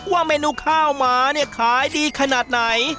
ว่าเมนูข้าวหมาเนี่ยขายดีขนาดไหน